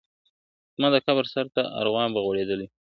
زما د قبر سر ته ارغوان به غوړېدلی وي !.